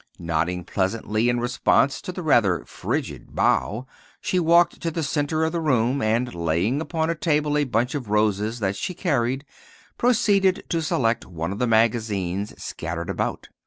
Nodding pleasantly in response to the rather frigid bow, she walked to the centre of the room, and laying upon the table a bunch of roses that she carried, proceeded to select one of the magazines scattered about.